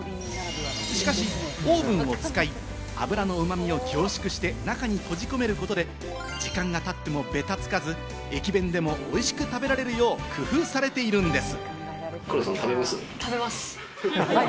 しかしオーブンを使い、脂の旨味を凝縮して中に閉じ込めることで時間が経ってもべたつかず、駅弁でもおいしく食べられるよう工夫されているんです。